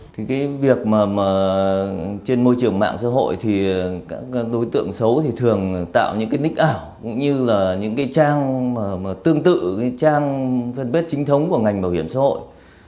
thì cái việc mà trên môi trường mạng xã hội thì các đối tượng xấu thì thường tạo những cái ních ảo cũng như là những cái trang tương tự trang phân bết chính thống của ngành bảo hiểm xã hội